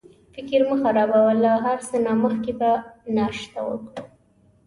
فکر مه خرابوه، له هر څه نه مخکې به ناشته وکړو.